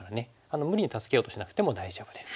無理に助けようとしなくても大丈夫です。